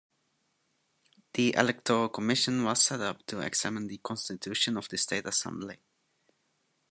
The Electoral Commission was set up to examine the constitution of the States Assembly.